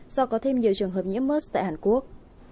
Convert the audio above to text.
do có thêm nhiều trường hợp nhiễm mus tại hàn quốc